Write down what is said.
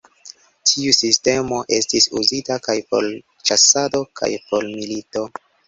Tiu sistemo estis uzita kaj por ĉasado kaj por milito.